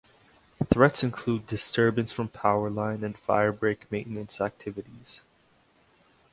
Threats include disturbance from power line and firebreak maintenance activities.